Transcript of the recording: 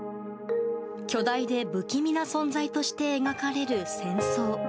巨大で不気味な存在として描かれる戦争。